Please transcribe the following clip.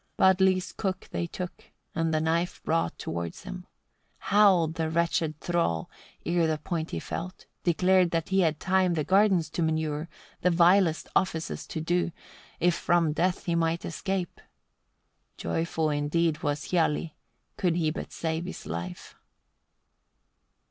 59. Budli's cook they took, and the knife brought towards him. Howled the wretched thrall, ere the point he felt; declared that he had time the gardens to manure, the vilest offices to do, if from death he might escape. Joyful indeed was Hialli, could he but save his life.